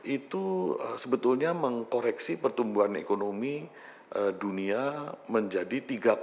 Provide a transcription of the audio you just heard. itu sebetulnya mengkoreksi pertumbuhan ekonomi dunia menjadi tiga